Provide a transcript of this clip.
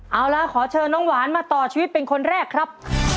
เอาล่ะขอเชิญน้องหวานมาต่อชีวิตเป็นคนแรกครับ